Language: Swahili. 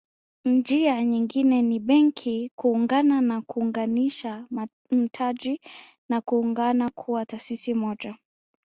Njia nyingine ni Benki kuungana na kuunganisha mtaji na kuungana kuwa taasisi moja